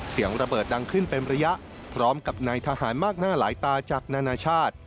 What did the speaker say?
เสียงระเบิดดังขึ้นเป็นระยะพร้อมกับนายทหารมากหน้าหลายตาจากนานาชาติ